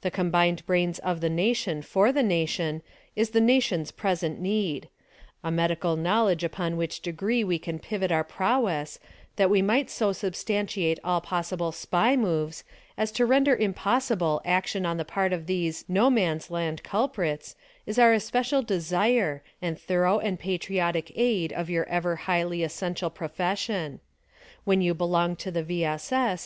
The combined brains of the nation for the nation is the nation's present need ; a medical knowledge upon which degree we can pivot our prov/ess that we might so substantiate all possible SPY moves as to render impossible action on the part of these "no man's land" culprits, is our especial desire and through the patriotic aid of your ever highlv essential pro fession. When you belong to the V. S. S.